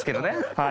はい！